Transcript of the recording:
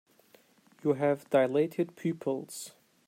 You have dilated pupils.